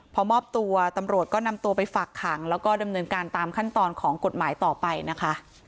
พอมอบตัวตำรวจก็นำตัวไปฝากขังแล้วก็ดำเนินการตามขั้นตอนของกฎหมายต่อไปนะคะ